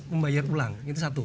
membayar ulang itu satu